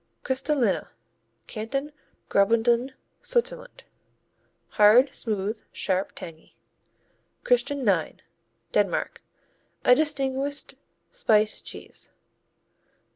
Christalinna Canton Graubünden, Switzerland Hard; smooth; sharp; tangy. Christian IX Denmark A distinguished spiced cheese.